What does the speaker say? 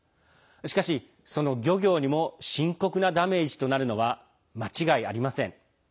しかし、その漁業にも深刻なダメージとなるのは間違いありません。